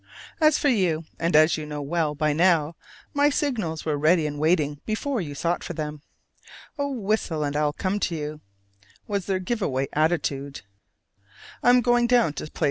As for you, and as you know well by now, my signals were ready and waiting before you sought for them. "Oh, whistle, and I'll come to you!" was their giveaway attitude.